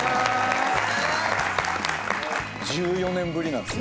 １４年ぶりなんです。